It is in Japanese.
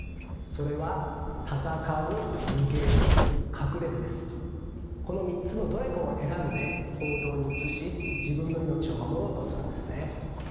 それはこの３つのどれかを選んで行動に移し自分の命を守ろうとするんですね。